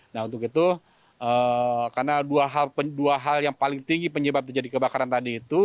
nah untuk itu karena dua hal yang paling tinggi penyebab terjadi kebakaran tadi itu